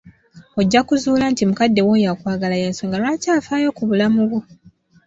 Ojja kuzzuula nti mukadde wo oyo akwagala y'ensonga lwaki afaayo ku bulamu bwo.